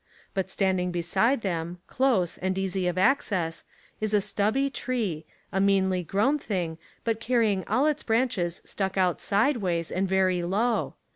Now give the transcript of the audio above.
But standing be side them, close and easy of access, is a stubby tree, a meanly grown thing but carrying all its branches stuck out sideways and very low.